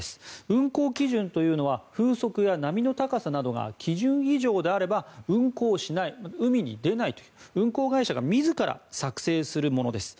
運航基準というのは風速や波の高さなどが基準以上であれば運航しない海に出ないという、運航会社が自ら作成するものです。